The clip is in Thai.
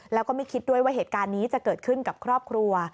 แล้วก็ไม่คิดด้วยว่าเหตุการณ์นี้จะเกิดขึ้นกับครอบครัว